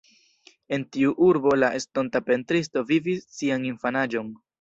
En tiu urbo la estonta pentristo vivis sian infanaĝon.